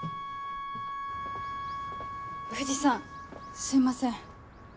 藤さんすいません。